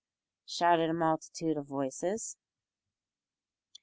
shouted a multitude of voices.